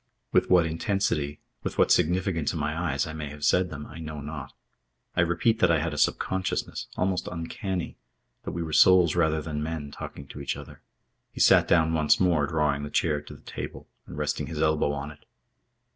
With what intensity, with what significance in my eyes, I may have said them, I know not. I repeat that I had a subconsciousness, almost uncanny, that we were souls rather than men, talking to each other. He sat down once more, drawing the chair to the table and resting his elbow on it.